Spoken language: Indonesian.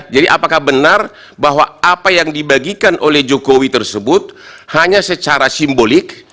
apakah benar bahwa apa yang dibagikan oleh jokowi tersebut hanya secara simbolik